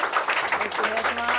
よろしくお願いします。